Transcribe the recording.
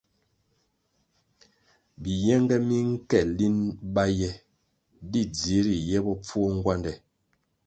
Biyenge mi nke lin bá ye di dzihri ye bopfuo nguande.